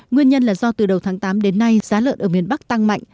nguyên nhân là do từ đầu tháng tám đến nay giá lợn ở miền bắc tăng mạnh